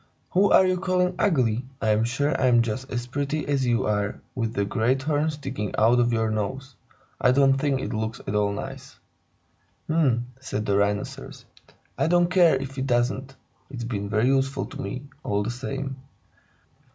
"Who are you calling ugly? I am sure I'm just as pretty as you are, with that great horn sticking out of your nose. I don't think it looks at all nice." "H'm!" said the Rhinoceros. "I don't care if it doesn't. It's been very useful to me, all the same."